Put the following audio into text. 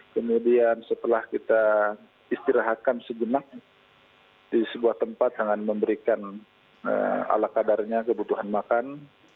kemudian setelah kita istirahatkan sejenak di sebuah tempat dengan memberikan ala kadarnya kebutuhan makan